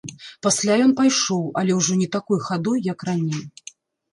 Пасля ён пайшоў, але ўжо не такой хадой, як раней.